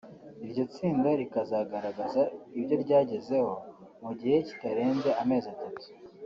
iryo tsinda rikazagaragaza ibyo ryagezeho mu gihe kitarenze amezi atatu